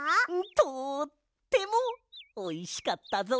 とってもおいしかったぞ！